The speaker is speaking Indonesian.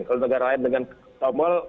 kalau negara lain dengan tomo